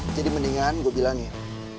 jadi mendingan gue bilangin